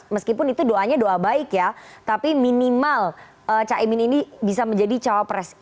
meskipun itu doanya doa baik ya tapi minimal caimin ini bisa menjadi cawapres